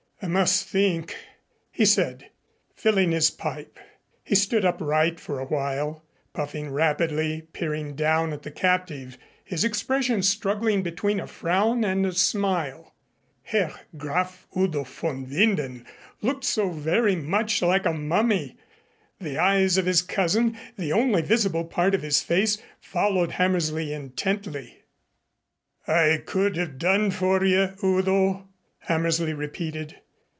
I must think," he said, filling his pipe. He stood upright for a while, puffing rapidly, peering down at the captive, his expression struggling between a frown and a smile. Herr Graf Udo von Winden looked so very much like a mummy! The eyes of his cousin, the only visible part of his face, followed Hammersley intently. "I could have done for you, Udo," Hammersley repeated.